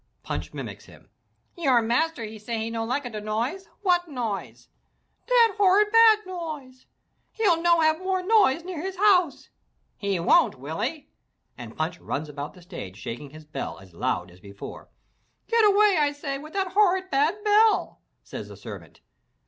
Punch mimics him, "Your master he say he no lika de noise! What noise?" 445 MY BOOK HOUSE '*Dat horrid, bad noise! He'll no have more noise near his house! "He won't, won't he?" and Punch runs about the stage shaking the bell as loud as before. "Get away I say wid dat horrid, bad bell," says the servant.